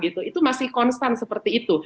itu masih konstan seperti itu